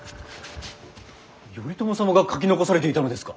頼朝様が書き残されていたのですか！